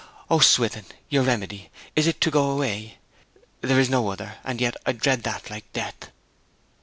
O Swithin, your remedy is it to go away? There is no other; and yet I dread that like death!'